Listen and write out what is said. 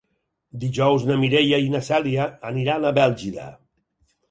Dijous na Mireia i na Cèlia aniran a Bèlgida.